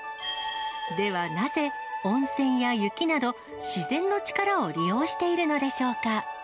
ではなぜ、温泉や雪など、自然の力を利用しているのでしょうか。